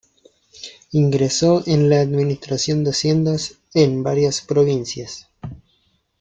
Ingresó en la Administración de Hacienda, en varias provincias.